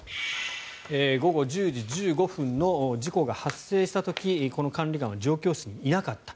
午後１０時１５分の事故が発生した時この管理官は状況室にいなかった。